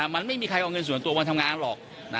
มันไม่มีใครเอาเงินส่วนตัวมาทำงานหรอก